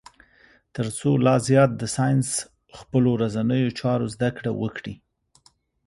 تر څو لا زیات د ساینس خپلو ورځنیو چارو زده کړه وکړي.